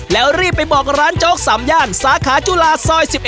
แล้วรีบไปบอกร้านโจ๊ก๓ย่านสาขาจุฬาซอย๑๑